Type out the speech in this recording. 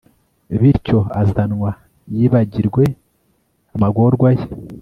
bityo azanywa yibagirwe amagorwa ye